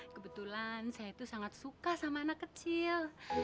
kebetulan saya itu sangat suka sama anak kecil